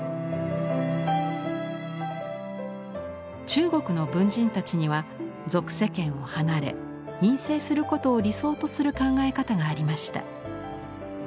中国の文人たちには俗世間を離れ隠棲することを理想とする考え方がありました。